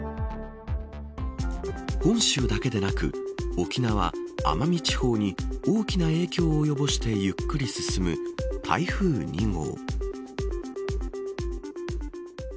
本州だけでなく沖縄、奄美地方に大きな影響を及ぼしてゆっくり進む台風２号。